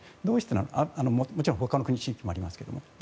もちろん他の地域もありますけど。